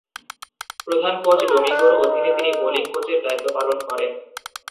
প্রধান কোচ ডোমিঙ্গো’র অধীনে তিনি বোলিং কোচের দায়িত্ব পালন করেন।